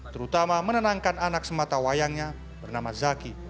terutama menenangkan anak sematawayangnya bernama zaki